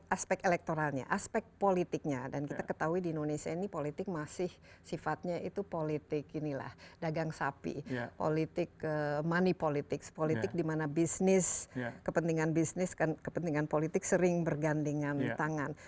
aspek elektoralnya aspek politiknya dan kita ketahui di indonesia ini politik masih sifatnya itu politik inilah dagang sapi politik money politics politik dimana bisnis kepentingan bisnis dan kepentingan politik sering bergandengan tangan